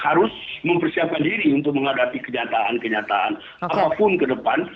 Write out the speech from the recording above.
harus mempersiapkan diri untuk menghadapi kenyataan kenyataan apapun ke depan